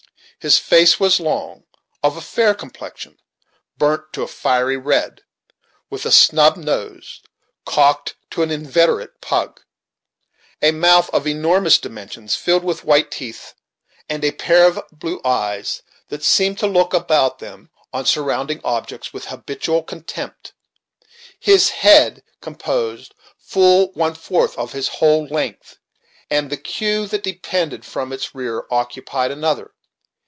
His face was long, of a fair complexion, burnt to a fiery red; with a snub nose, cocked into an inveterate pug; a mouth of enormous dimensions, filled with fine teeth; and a pair of blue eyes, that seemed to look about them on surrounding objects with habitual contempt. His head composed full one fourth of his whole length, and the cue that depended from its rear occupied another.